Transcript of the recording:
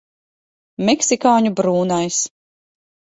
Meksikāņu brūnais.